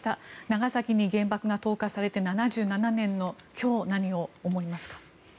長崎に原爆が投下されて７７年の今日何を思いますか。